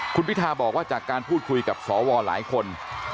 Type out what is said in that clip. คุณพิทาบอกว่าจากการพูดคุยกับสวหลายคน